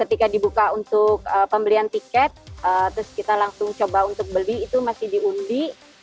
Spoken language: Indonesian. ketika dibuka untuk pembelian tiket terus kita langsung coba untuk beli itu masih diundi